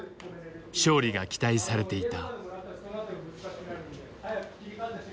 勝利が期待されていた。